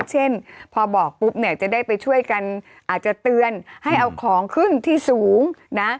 เช่นพอบอกปุ๊บเนี่ยจะได้ไปช่วยกันอาจจะเตือนให้เอาของขึ้นที่สูงนะ